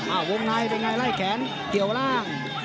อ้าววงนายวงนายไล่แขนเกี่ยวล่าง